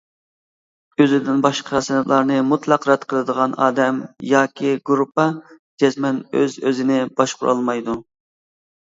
ئۆزىدىن باشقا سىنىپلارنى مۇتلەق رەت قىلىدىغان ئادەم ياكى گۇرۇپپا جەزمەن ئۆز-ئۆزىنى باشقۇرالمايدۇ.